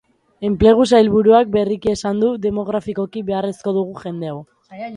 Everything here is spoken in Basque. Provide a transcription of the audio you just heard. Enplegu sailburuak berriki esan du, demografikoki beharrezko dugu jende hau.